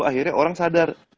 akhirnya orang sadar